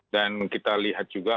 dan kita lihat juga